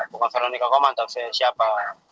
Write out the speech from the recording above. bukan veronica komantos ya siapa